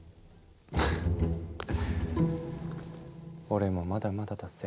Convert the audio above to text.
俺もまだまだだぜ。